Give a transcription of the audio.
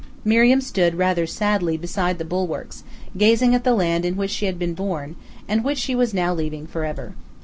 Miriam stood rather sadly beside the bulwarks, gazing at the land in which she had been born, and which she was now leaving forever.